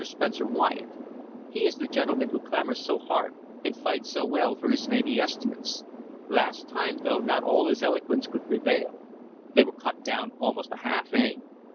Spencer Wyatt! He is the gentleman who clamours so hard and fights so well for his navy estimates. Last time, though, not all his eloquence could prevail. They were cut down almost a half, eh?"